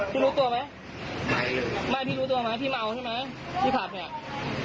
รู้ตัวไหมไม่พี่รู้ตัวไหมพี่เมาใช่ไหมพี่ผับเนี่ย